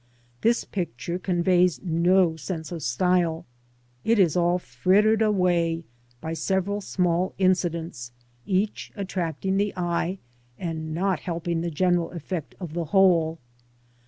This picture conveys no sense of style; it is all frittered away by several small incidents, each attracting the eye and not helping the general effect of the whole.